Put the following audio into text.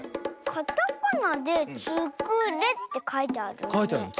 カタカナで「ツクレ」ってかいてあるね。